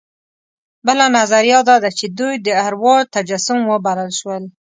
بله نظریه دا ده چې دوی د اروا تجسم وبلل شول.